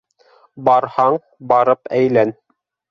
— Барһаң, барып әйлән.